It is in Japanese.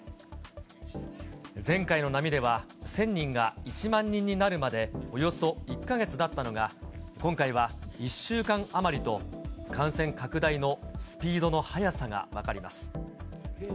前回の波では、１０００人が１万人になるまで、およそ１か月だったのが、今回は１週間余りと、感染拡大のスピードの速さが分かります。